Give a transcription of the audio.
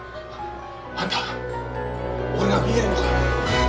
あんた俺が見えるのか？